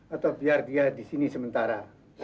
atau biar dia di sini sementara